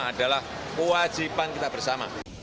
adalah kewajiban kita bersama